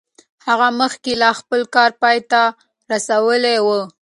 هغه مخکې لا خپل کار پای ته رسولی و.